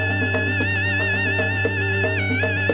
mereka akan menjelaskan kekuatan mereka